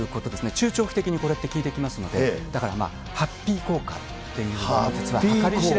中長期的にこれって効いてきますので、だからハッピー効果っていう、ハッピー効果？